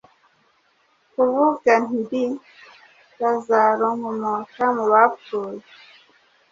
Kuvuga Ndi Lazaronkomoka mu bapfuye